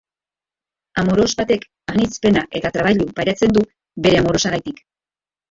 Amoros batek anitz pena eta trabailu pairatzen du bere amorosagatik.